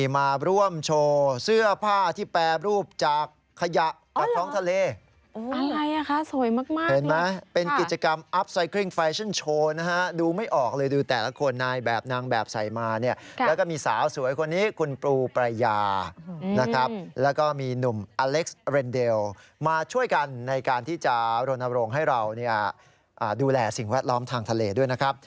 มาช่วยกันในการที่จะโรนโรงให้เราดูแลสิ่งแวดล้อมทางทะเลด้วยนะครับ